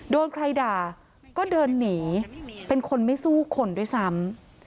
โดนใครด่าก็เดินหนีเป็นคนไม่สู้คนด้วยซ้ำ